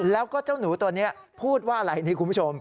แล้วก็เจ้าหนูตัวนี้พูดว่าอะไรนี่คุณผู้ชม